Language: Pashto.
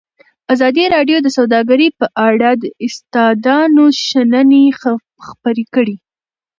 ازادي راډیو د سوداګري په اړه د استادانو شننې خپرې کړي.